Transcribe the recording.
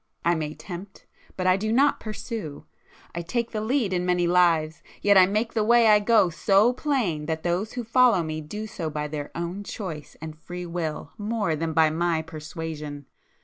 I may tempt—but I do not pursue,—I take the lead in many lives, yet I make the way I go so plain that those who follow me do so by their own choice and free will more than by my persuasion!"